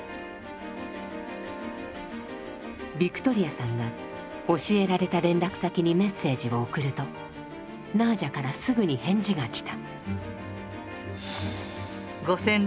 ビクトリアさんが教えられた連絡先にメッセージを送るとナージャからすぐに返事が来た。